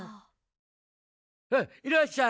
わっいらっしゃい。